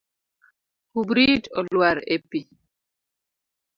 Kubrit olwar e pi.